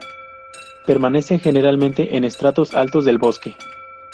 Permanece generalmente en estratos altos del bosque.